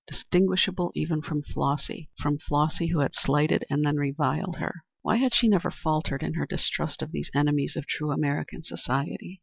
Distinguishable even from Flossy from Flossy, who had slighted and then reviled her! Why had she ever faltered in her distrust of these enemies of true American society?